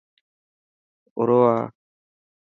آرو آ.